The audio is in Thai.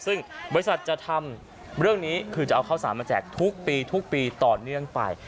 ซึ่งบริษัทจะทำเรื่องนี้คือจะเอาข้าวสารมาแจกทุกปีทุกปีต่อเนื่องไป